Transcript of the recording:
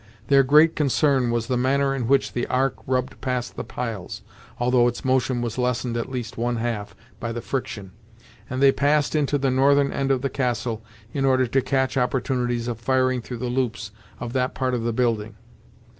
Their great concern was the manner in which the Ark rubbed past the piles, although its motion was lessened at least one half by the friction, and they passed into the northern end of the castle in order to catch opportunities of firing through the loops of that part of the building.